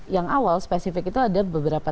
yang awal spesifik itu ada beberapa